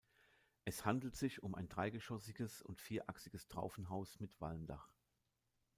Es handelt sich um ein dreigeschossiges und vierachsiges Traufenhaus mit Walmdach.